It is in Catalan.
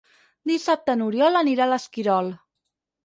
Dissabte n'Oriol anirà a l'Esquirol.